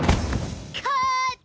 カーット！